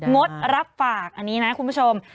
งดรับฝากอันนี้นะคุณผู้ชม